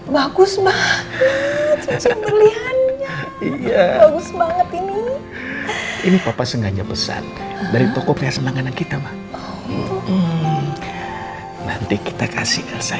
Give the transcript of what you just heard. bagus banget ini papa sengaja pesan dari toko pria senangan kita mah nanti kita kasih saya